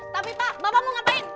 tapi pak bapak mau ngapain